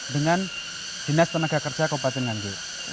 dengan dinas tenaga kerja kabupaten nganjuk